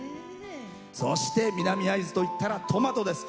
そして、南会津といったらトマトです。